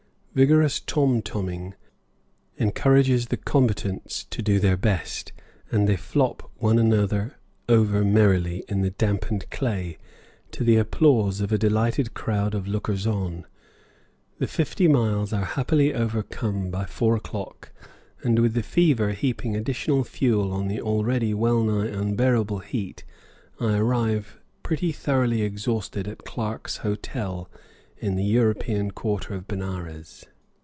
Vigorous tom toming encourages the combatants to do their best, and they flop one another over merrily, in the dampened clay, to the applause of a delighted crowd of lookers on. The fifty miles are happily overcome by four o'clock, and with the fever heaping additional fuel on the already well nigh unbearable heat, I arrive pretty thoroughly exhausted at Clarke's Hotel, in the European quarter of Benares.